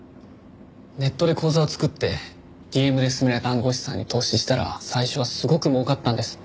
ネットで口座を作ってＤＭで勧められた暗号資産に投資したら最初はすごく儲かったんです。